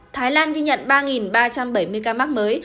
thái lan ghi nhận ba ba trăm bảy mươi ca mắc mới